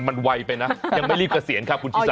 มันไวไปนะยังไม่รีบเกษียณครับคุณชิสา